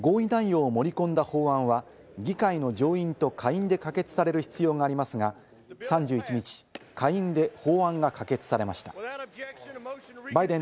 合意内容を盛り込んだ法案は議会の上院と下院で可決される必要がありますが、３１日、下院で法案が可決されました。